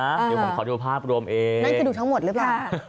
นั่นคือดูทั้งหมดหรือเปล่า